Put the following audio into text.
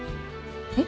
えっ？